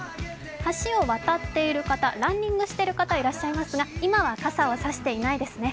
橋を渡っている方、ランニングしている方いらっしゃいますが今は傘は差していないですね。